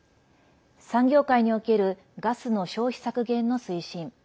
産業界におけるガスの消費削減の推進。